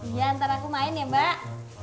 iya ntar aku main ya mbak